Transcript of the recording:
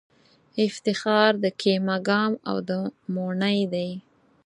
افتخار د کېمه ګام او د موڼی دی